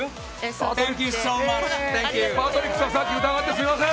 パトリックさん疑ってすみません。